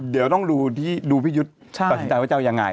เดี๋ยวต้องดูที่ดูพี่ยุทธประสิทธิ์ใจว่าจะเอายังไงใช่